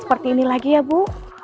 seperti ini lagi ya bu